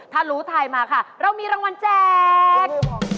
ถ้ารู้ทายมาค่ะเรามีรางวัลแจก